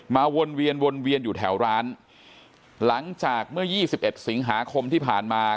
มาวนเวียนอยู่แถวร้านหลังจากเมื่อ๒๑สิงหาคมที่ผ่านมา